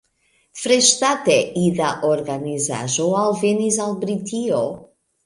Freŝdate, ida organizaĵo alvenis al Britio.